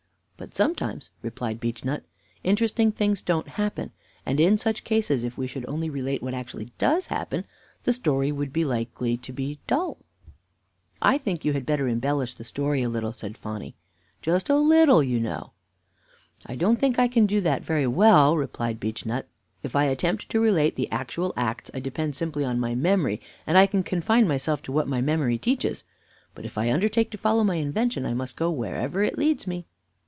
"But sometimes," replied Beechnut, "interesting things don't happen, and in such cases, if we should only relate what actually does happen, the story would be likely to be dull." "I think you had better embellish the story a little," said Phonny "just a little, you know." "I don't think I can do that very well," replied Beechnut. "If I attempt to relate the actual acts, I depend simply on my memory, and I can confine myself to what my memory teaches; but if I undertake to follow my invention, I must go wherever it leads me."